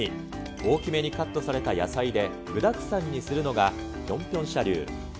大き目にカットされた野菜で、具だくさんにするのがぴょんぴょん舎流。